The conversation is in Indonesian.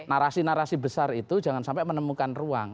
narasi narasi besar itu jangan sampai menemukan ruang